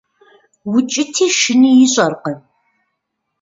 Укӏыти шыни ищӏэркъым.